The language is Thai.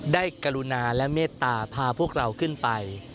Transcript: กรุณาและเมตตาพาพวกเราขึ้นไป